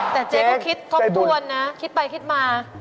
แต่เจ๊ก็คิดทบทวนนะคิดไปคิดมา